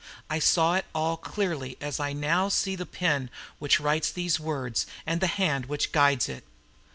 I saw it all clearly as I now see the pen which writes these words and the hand which guides it.